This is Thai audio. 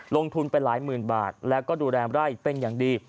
ลงทุนไปหลายหมื่นบาทแล้วก็ดูแลไร่เป็นอย่างดี